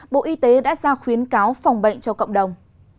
bộ y tế đã ra khuyến cáo phòng bệnh cho cộng đồng